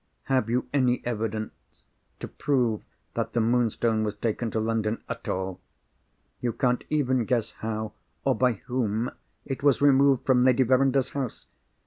Have you any evidence to prove that the Moonstone was taken to London at all? You can't even guess how, or by whom, it was removed from Lady Verinder's house!